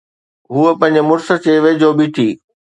هوءَ پنهنجي مڙس جي ويجهو بيٺي.